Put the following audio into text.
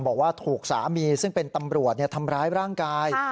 บอกว่าถูกสามีซึ่งเป็นตำรวจทำร้ายร่างกาย